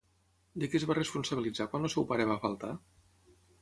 De què es va responsabilitzar quan el seu pare va faltar?